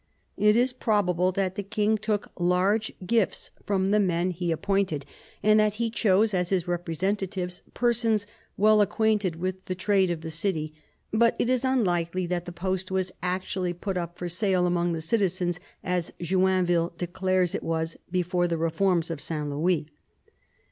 It is probable that the king took large gifts from the men he v THE ADVANCE OF THE MONARCHY 155 appointed, and that he chose as his representatives persons well acquainted with the trade of the city; but it is unlikely that the post was actually put up for sale among the citizens as Joinville declares it was before the reforms of S. Louis.